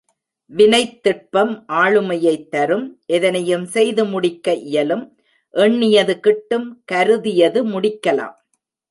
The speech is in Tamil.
வினைத்திட்பம் ஆளுமையைத் தரும் எதனையும் செய்து முடிக்க இயலும், எண்ணியது கிட்டும் கருதியது முடிக்கலாம்.